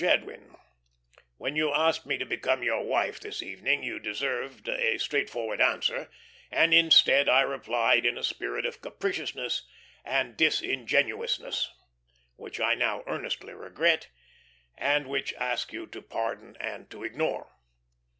JADWIN: "When you asked me to become your wife this evening, you deserved a straightforward answer, and instead I replied in a spirit of capriciousness and disingenuousness, which I now earnestly regret, and which ask you to pardon and to ignore.